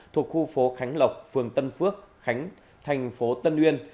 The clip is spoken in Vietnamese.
thuộc khu phố khánh lộc phường tân phước khánh thành phố tân uyên